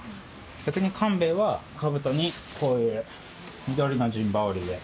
逆に官兵衛はかぶとにこういう緑の陣羽織で。